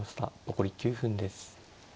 残り９分です。